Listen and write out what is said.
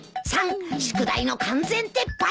宿題の完全撤廃！